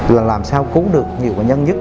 là làm sao cứu được nhiều nhân dứt